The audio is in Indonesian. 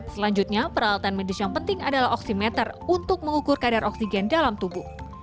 selanjutnya peralatan medis yang penting adalah oksimeter untuk mengukur kadar oksigen dalam tubuh